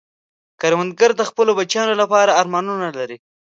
کروندګر د خپلو بچیانو لپاره ارمانونه لري